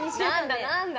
何だ？